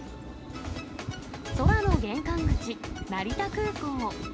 空の玄関口、成田空港。